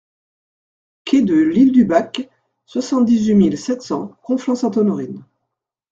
Quai de l'Île du Bac, soixante-dix-huit mille sept cents Conflans-Sainte-Honorine